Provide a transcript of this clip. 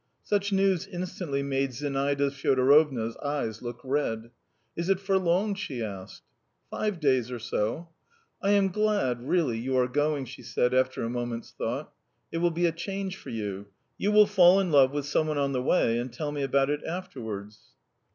Such news instantly made Zinaida Fyodorovna's eyes look red. "Is it for long?" she asked. "Five days or so." "I am glad, really, you are going," she said after a moment's thought. "It will be a change for you. You will fall in love with some one on the way, and tell me about it afterwards."